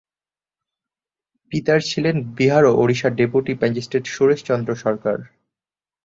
পিতার ছিলেন বিহার-ওড়িশা র ডেপুটি ম্যাজিস্ট্রেট সুরেশচন্দ্র সরকার।